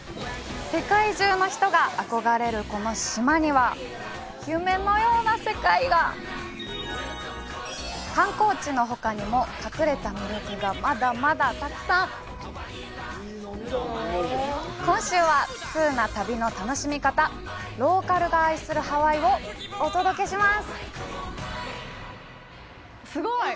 世界中の人が憧れるこの島には夢のような世界が観光地のほかにも隠れた魅力がまだまだたくさん今週は通な旅の楽しみ方「ローカルが愛するハワイ」をお届けしますすごい！